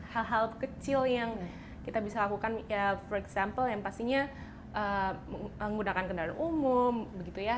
hal hal kecil yang kita bisa lakukan ya free sampel yang pastinya menggunakan kendaraan umum begitu ya